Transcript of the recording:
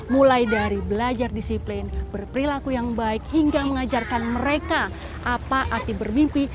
mulai dari belajar disiplin berperilaku yang baik hingga mengajarkan mereka apa arti bermimpi